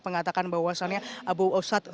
mengatakan bahwa seandainya abu ustadz